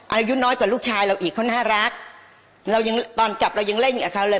อายุน้อยกว่าลูกชายเราอีกเขาน่ารักเรายังตอนกลับเรายังเล่นอยู่กับเขาเลย